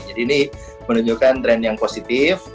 jadi ini menunjukkan trend yang positif